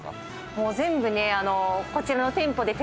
もう全部ね。